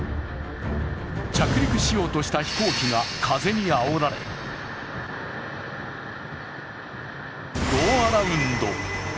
着陸しようとした飛行機が風にあおられゴーアラウンド。